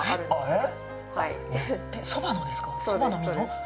えっ？